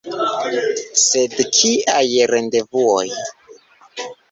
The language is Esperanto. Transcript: Sed kiaj rendevuoj?!